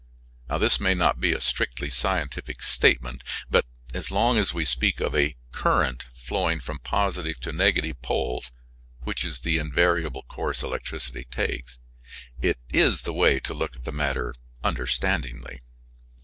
This may not be a strictly scientific statement; but, as long as we speak of a "current" flowing from positive to negative poles (which is the invariable course electricity takes), it is the way to look at the matter understandingly.